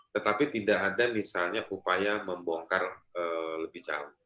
tetapi tidak ada misalnya upaya membongkar lebih jauh